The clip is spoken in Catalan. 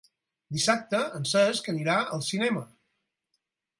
Dissabte en Cesc anirà al cinema.